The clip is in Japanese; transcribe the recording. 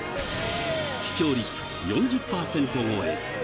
視聴率４０％超え。